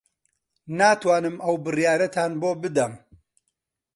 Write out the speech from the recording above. ناتوانم ئەو بڕیارەتان بۆ بدەم.